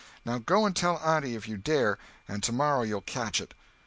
"Now go and tell auntie if you dare—and tomorrow you'll catch it!"